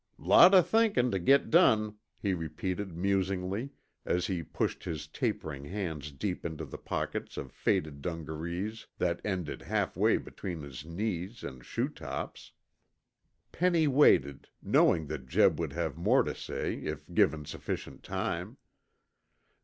"Lot o' thinkin' tuh git done," he repeated musingly, as he pushed his tapering hands deep into the pockets of faded dungarees that ended halfway between his knees and shoe tops. Penny waited, knowing that Jeb would have more to say if given sufficient time.